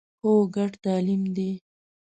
هو، ګډ تعلیم دی